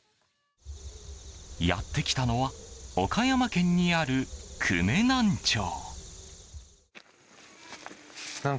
やってきたのは岡山県にある久米南町。